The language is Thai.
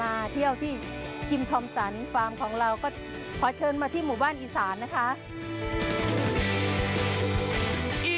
ก็คือกิมทอมสันฟาร์มของชาวอีสานที่พลาดไม่ได้นั่นก็คือ